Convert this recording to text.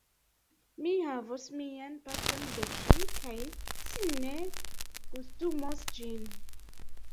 Mi havos mian parton de ĝi, kaj ci ne gustumos ĝin.